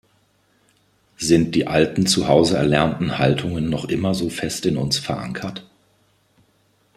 Sind die alten zu Hause erlernten Haltungen noch immer so fest in uns verankert?